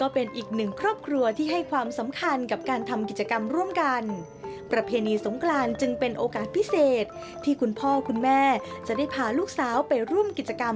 พุ่มกิจกรรมก่อพระเจดีไซน์